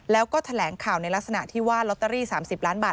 แล้วก็แถลงข่าวในลักษณะที่ว่าลอตเตอรี่๓๐ล้านบาท